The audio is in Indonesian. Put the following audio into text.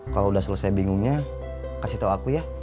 kalau udah selesai bingungnya kasih tahu aku ya